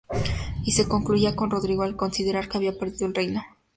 Y se concluía con Rodrigo, al considerar que había perdido el reino.